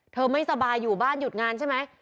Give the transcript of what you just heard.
ไม่สบายอยู่บ้านหยุดงานใช่ไหม